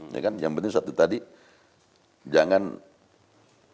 ya kan yang penting satu tadi itu adalah ketika saya masih di jawa barat saya sudah berusaha untuk menjelaskan